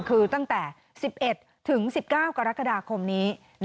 คือตั้งแต่๑๑ถึง๑๙กรกฎาคมนี้